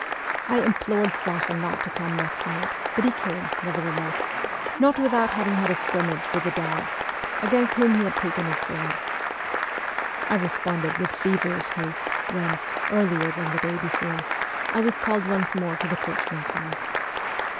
I implored Sasha not to come next night ; but he came, nevertheless not without having had a scrimmage with the dogs, against whom he had taken his sword. I responded with feverish haste, when, earlier than the day before, I was called once more to the coachmen's house.